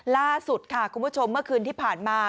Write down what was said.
ล่าสุดค่ะคุณผู้ชมเมื่อคืนที่ผ่านมา